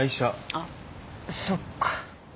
あっそっか。